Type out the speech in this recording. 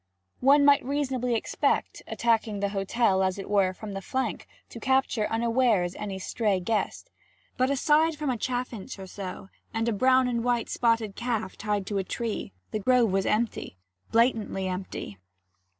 One might reasonably expect, attacking the hotel as it were from the flank, to capture unawares any stray guest. But aside from a chaffinch or so and a brown and white spotted calf tied to a tree, the grove was empty blatantly empty.